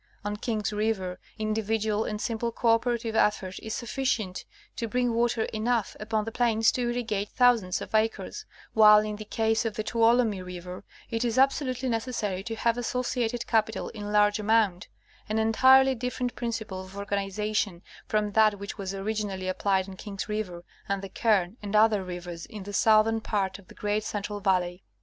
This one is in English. On King's river, individual and simple cooperative effort is sufficient to bring water enough upon the plains to irrigate thousands of acres, while in the case of the Tuolumne river it is absolutely necessary to have associated capital in large amount — an entirely different principle of organi zation from that which was originally applied on King's river and the Kern and other rivers in the southern part of the great central valley.